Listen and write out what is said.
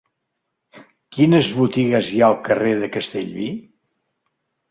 Quines botigues hi ha al carrer de Castellví?